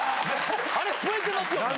あれ超えてますよね？